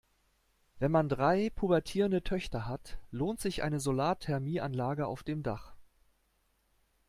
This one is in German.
Wenn man drei pubertierende Töchter hat, lohnt sich eine Solarthermie-Anlage auf dem Dach.